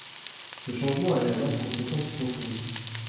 Ce changement allait avoir des conséquences profondes.